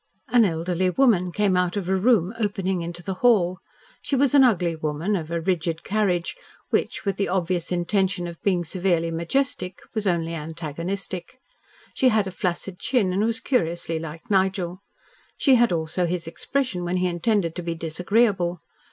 An elderly woman came out of a room opening into the hall. She was an ugly woman of a rigid carriage, which, with the obvious intention of being severely majestic, was only antagonistic. She had a flaccid chin, and was curiously like Nigel. She had also his expression when he intended to be disagreeable.